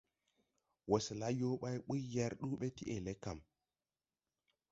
Wɔsɛla yo ɓuy yɛr ndu ɓɛ ti ELECAM.